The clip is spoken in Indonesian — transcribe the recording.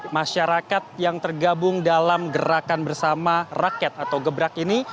masyarakat yang tergabung dalam gerakan bersama rakyat atau gebrak ini